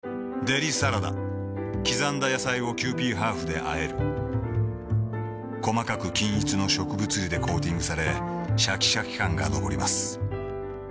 デリサラダ刻んだ野菜をキユーピーハーフであえる細かく均一の植物油でコーティングされシャキシャキ感が残ります